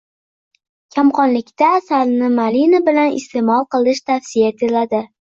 Kamqonlikda asalni malina bilan iste’mol qilish tavsiya etiladi.